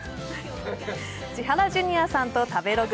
千原ジュニアさんと食べログ